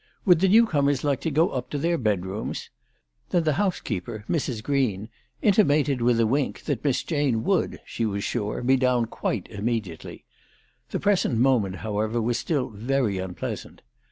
Would the new comers like to go up to their bedrooms ? Then the housekeeper, Mrs. Green, intimated with a wink that Miss Jane would, she was sure, be down quite immediately. The present moment, however, was still very unpleasant.